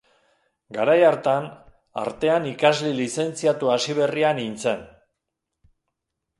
Garai hartan, artean ikasle lizentziatu hasiberria nintzen.